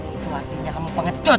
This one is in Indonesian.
itu artinya kamu pengecut